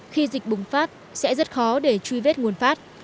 khi dịch bùng phát sẽ rất khó để truy vết nguồn phát